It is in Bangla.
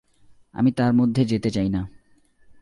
আমি তার মধ্যে যেতে চাই না।